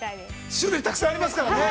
◆種類がたくさんありますからね。